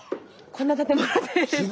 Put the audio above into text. こんな建物です。